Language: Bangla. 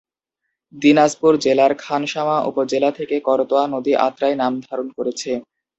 দিনাজপুর জেলার খানসামা উপজেলা থেকে করতোয়া নদী আত্রাই নাম ধারণ করেছে।